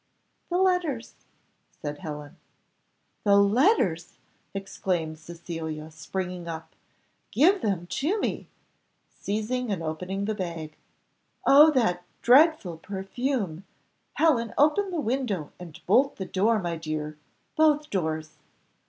"The letters," said Helen. "The letters!" exclaimed Cecilia, springing up, "give them to me," seizing and opening the bag. "Oh that dreadful perfume! Helen open the window, and bolt the door, my dear both doors."